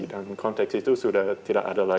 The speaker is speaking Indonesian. dan konteks itu sudah tidak ada lagi